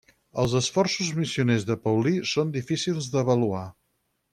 Els esforços missioners de Paulí són difícils d'avaluar.